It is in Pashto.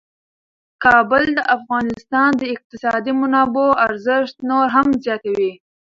کابل د افغانستان د اقتصادي منابعو ارزښت نور هم زیاتوي.